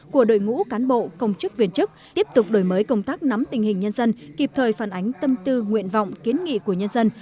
của đội ngũ cán bộ công chức viên chức tiếp tục đổi mới công tác nắm tình hình nhân dân kịp thời phản ánh tâm tư nguyện vọng kiến nghị của nhân dân